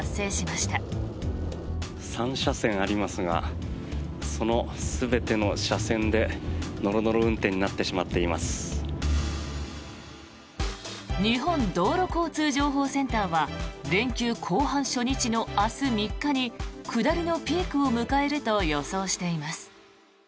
日本道路交通情報センターは連休後半初日の明日３日に下りのピークを迎えると予想しています。